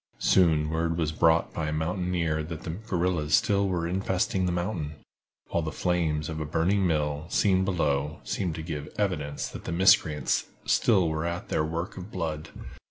Soon word was brought by a mountaineer that the guerrillas still were infesting the mountain, while the flames of a burning mill, seen below, seemed to give evidence that the miscreants still were at their work of blood.